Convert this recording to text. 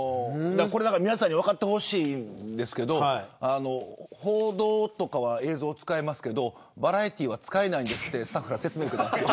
皆さんに分かってほしいんですけど報道とかは映像を使えますけどバラエティーは使えないんですってスタッフから説明を受けたんですよ。